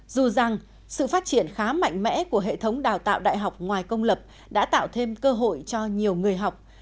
dù rằng sự phát triển khá mạnh mẽ của hệ thống đào tạo đại học ngoài công lập đã tạo thêm cơ hội cho nhiều người học